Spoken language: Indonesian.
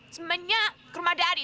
semenya ke rumah dari